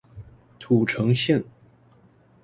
土城線